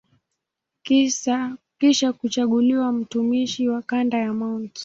Kisha kuchaguliwa mtumishi wa kanda ya Mt.